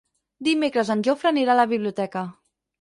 Dimecres en Jofre anirà a la biblioteca.